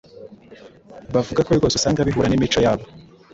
bavuga ko rwose usanga bihura n’imico yabo,